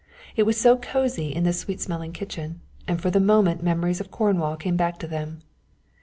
It was so cosy in this sweet smelling kitchen, and for the moment memories of Cornwall came back to them.